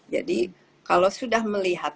jadi kalau sudah melihat